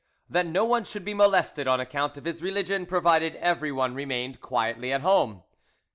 That no one should be molested on account of his religion provided everyone remained quietly at home.